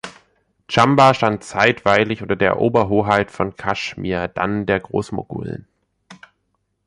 Chamba stand zeitweilig unter der Oberhoheit von Kashmir, dann der Großmoguln.